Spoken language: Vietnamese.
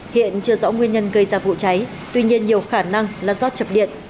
hiện chưa rõ nguyên nhân gây ra vụ cháy tuy nhiên nhiều khả năng là do chập điện